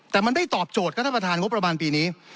แต่มันได้ตอบโจทย์ครับท่านประธานงบประมาณปีนี้